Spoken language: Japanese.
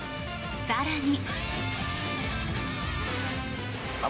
更に。